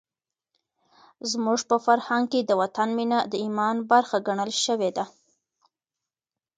زموږ په فرهنګ کې د وطن مینه د ایمان برخه ګڼل شوې ده.